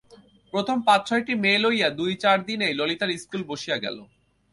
প্রথমে পাঁচ-ছয়টি মেয়ে লইয়া দুই-চার দিনেই ললিতার ইস্কুল বসিয়া গেল।